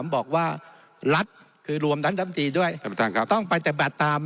บอกว่ารัฐคือรวมรัฐบันตรีด้วยต้องไปแต่แบบตาม